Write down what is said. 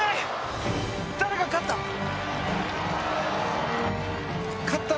誰が勝った？